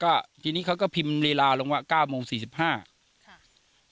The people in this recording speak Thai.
ก็ทีนี้เขาก็พิมพ์ลีลาลงว่าเก้าโมงสี่สิบห้าค่ะ